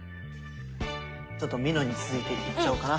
ちょっとみのんに続いていっちゃおうかな。